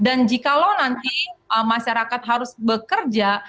dan jikalau nanti masyarakat harus bekerja